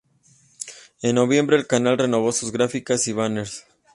En noviembre, el canal renovó sus gráficas y banners.